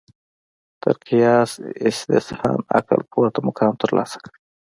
تر قیاس استحسان عقل پورته مقام ترلاسه کړ